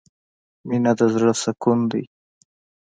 مینه د زړه سکون دی.